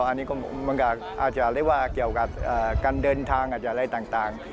อันนี้ก็อาจจะเรียกว่าเกี่ยวกับการเดินทางอาจจะอะไรต่าง